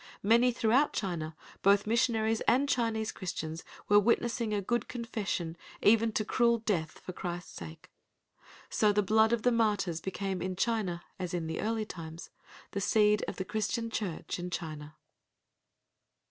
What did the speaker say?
Many throughout China, both missionaries and Chinese Christians were witnessing a good confession even to cruel death for Christ's sake. So the blood of the martyrs became in China, as in the early times, the seed of the Christian Church in China.